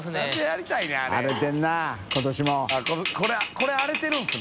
これ荒れてるんですね？